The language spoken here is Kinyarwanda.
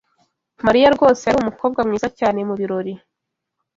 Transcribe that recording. Mariya rwose yari umukobwa mwiza cyane mubirori.